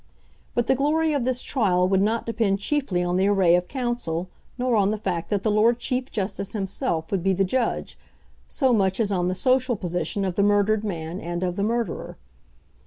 But the glory of this trial would not depend chiefly on the array of counsel, nor on the fact that the Lord Chief Justice himself would be the judge, so much as on the social position of the murdered man and of the murderer.